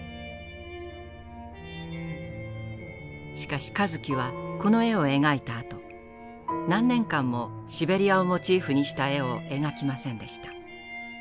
しかし香月はこの絵を描いたあと何年間もシベリアをモチーフにした絵を描きませんでした。